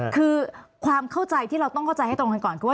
คือความเข้าใจที่เราต้องเข้าใจให้ตรงกันก่อนคือว่า